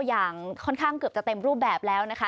อย่างค่อนข้างเกือบจะเต็มรูปแบบแล้วนะคะ